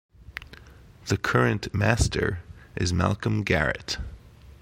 The current Master is Malcolm Garrett.